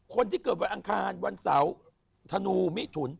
คนที่เกิดวันอังคารวันเสาร์ธนูมิถุน